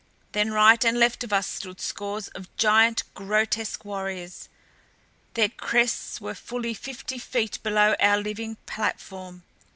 Then right and left of us stood scores of giant, grotesque warriors. Their crests were fully fifty feet below our living platform.